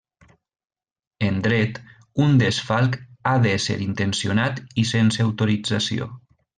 En Dret, un desfalc ha d'ésser intencionat i sense autorització.